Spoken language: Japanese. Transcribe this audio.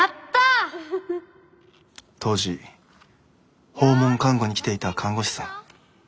当時訪問看護に来ていた看護師さん早川さんですね。